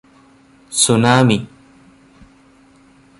tsunami